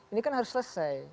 ini kan harus selesai